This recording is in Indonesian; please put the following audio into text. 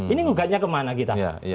ini menggugatnya kemana kita